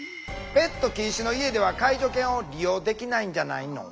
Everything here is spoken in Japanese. ペット禁止の家では介助犬を利用できないんじゃないの？